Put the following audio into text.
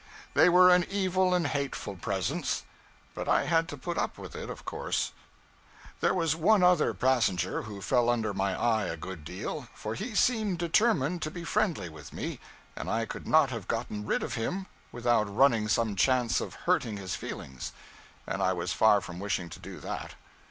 They were an evil and hateful presence, but I had to put up with it, of course, There was one other passenger who fell under my eye a good deal, for he seemed determined to be friendly with me, and I could not have gotten rid of him without running some chance of hurting his feelings, and I was far from wishing to do that.